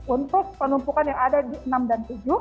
untuk penumpukan yang ada di enam dan tujuh